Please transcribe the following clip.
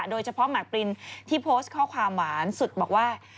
หมากปรินที่โพสต์ข้อความหวานสุดบอกว่า